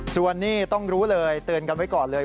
ส่วนนี้ต้องรู้เลยเตือนกันไว้ก่อนเลย